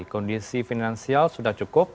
kondisi finansial sudah cukup